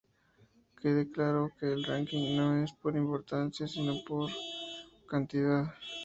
Que quede claro que el ranking no es por importancia y si por cantidad.